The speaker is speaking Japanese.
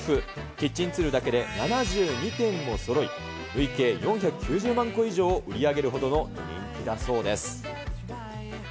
キッチンツールだけで７２点もそろい、累計４９０万個以上を売り上げるほどの人気だそうです。